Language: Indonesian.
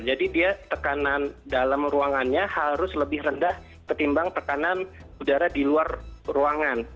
jadi dia tekanan dalam ruangannya harus lebih rendah ketimbang tekanan udara di luar ruangan